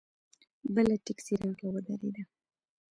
بله ټیکسي راغله ودرېده.